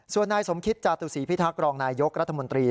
ส่วนนายสมคิตจาตุศีพิทักษ์รองนายยกรัฐมนตรี